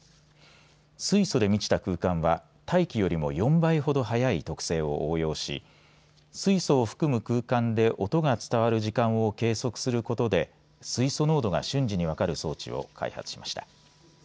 水素で満ちた空間は大気よりも４倍ほど速い特性を応用し水素を含む空間で音が伝わる時間を計測することで水素濃度が瞬時に分かる装置を開発しました。